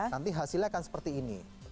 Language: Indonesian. nanti hasilnya akan seperti ini